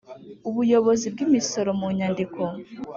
Ubuyobozi bw Imisoro mu nyandiko